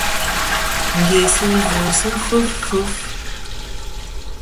Ngèsɨ-vɨ sɨ fɨf fɨf.